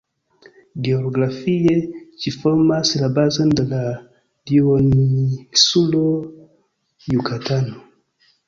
Geografie ĝi formas la bazon de la duoninsulo Jukatano.